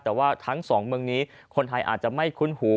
แต่ว่าทั้งสองเมืองนี้คนไทยอาจจะไม่คุ้นหู